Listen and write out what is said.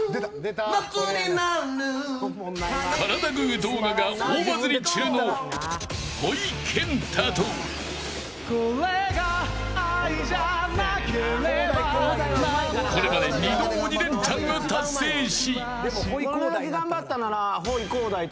カラダぐぅ動画が大バズリ中のほいけんたとこれまで２度鬼レンチャンを達成し。